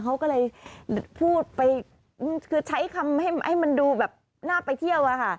เขาก็เลยพูดไปใช้คำให้มันดูแบบหน้าไปเที่ยว